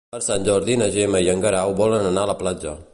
Per Sant Jordi na Gemma i en Guerau volen anar a la platja.